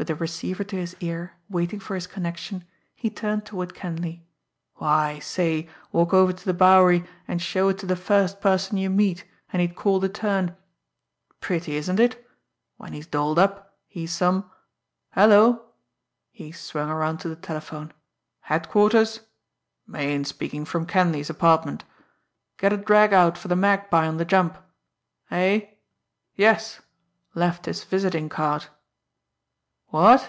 With the receiver to his ear, waiting for his connection, he turned toward Kenleigh. "Why, say, walk over to the Bowery and show it to the first person you meet, and he'd call the turn. Pretty, isn't it? When he's dolled up, he's some hello!" He swung around to the telephone. "Headquarters?... Meighan speaking from Kenleigh's apartment... Get a drag out for the Magpie on the jump.... Eh?... Yes!... Left his visiting card.... What?...